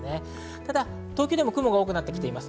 ただ東京でも雲が多くなってきています。